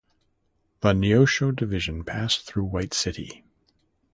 The Neosho division passed through White City.